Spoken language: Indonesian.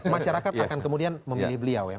masyarakat akan kemudian memilih beliau ya